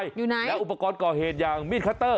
อยู่ไหนแล้วอุปกรณ์ก่อเหตุอย่างมีดคัตเตอร์